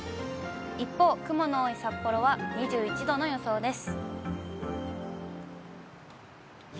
一方、雲の多い札幌は２１度の予想です。